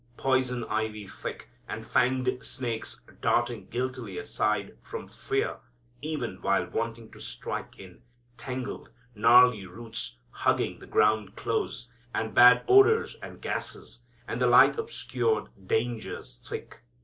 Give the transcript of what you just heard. Poison ivy thick, and fanged snakes darting guiltily aside from fear even while wanting to strike in, tangled, gnarly roots hugging the ground close, and bad odors and gases, and the light obscured dangers thick!